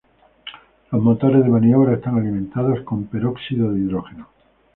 Los motores de maniobra están alimentados con peróxido de hidrógeno.